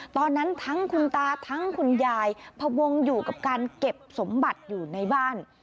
ทั้งคุณตาทั้งคุณยายพวงอยู่กับการเก็บสมบัติอยู่ในบ้าน